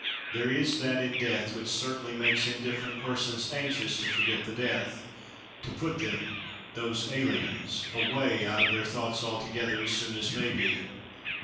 There is that in death which certainly makes indifferent persons anxious to forget the dead: to put them—those aliens—away out of their thoughts altogether, as soon as may be.